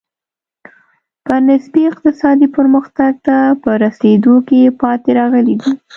په نسبي اقتصادي پرمختګ ته په رسېدو کې پاتې راغلي دي.